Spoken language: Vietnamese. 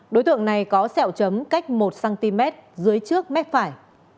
đối tượng này có sẹo chấm cách một cm dưới trước mép phải